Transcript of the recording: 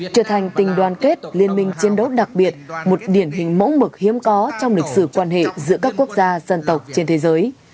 trở thành tình đoàn kết liên minh chiến đấu đặc biệt một điển hình mẫu mực hiếm có trong lịch sử quan hệ giữa các quốc gia dân tộc trên thế giới